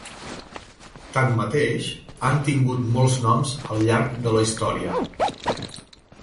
Tanmateix, han tingut molts noms al llarg de la història.